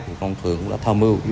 bà con thường thơ mưu